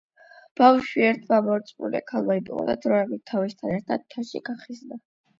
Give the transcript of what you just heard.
ბავშვი ერთმა მორწმუნე ქალმა იპოვა და დროებით თავისთან ერთად მთაში გახიზნა.